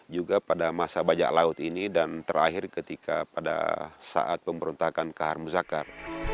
juga pada masa bajak laut ini dan terakhir ketika pada saat pemberontakan ke harmu zakar